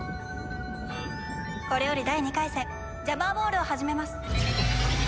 これより第２回戦ジャマーボールを始めます。